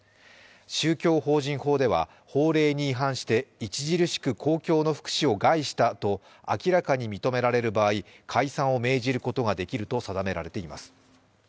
宗教法人法では法令に違反して著しく公共の福祉を害したと明らかに認められる場合、解散を命じることができると定められています。